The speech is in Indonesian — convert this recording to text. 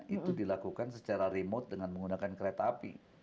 itu dilakukan secara remote dengan menggunakan kereta api